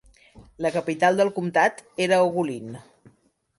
La capital del comtat era Ogulin.